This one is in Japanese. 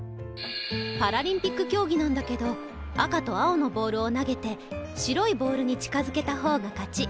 パラリンピック競技なんだけど赤と青のボールを投げて白いボールに近づけた方が勝ち。